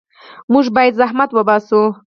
موږ باید زحمت وباسو.